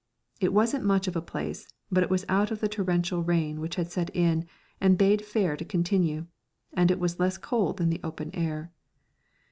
It wasn't much of a place, but it was out of the torrential rain which had set in and bade fair to continue, and it was less cold than the open air.